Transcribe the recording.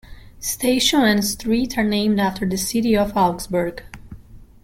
Station and street are named after the city of Augsburg.